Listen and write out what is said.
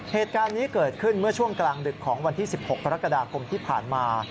เหตุการณ์นี้เกิดขึ้นเมื่อช่วงกลางดึกของวันที่๑๖กรกฎาคมที่ผ่านมา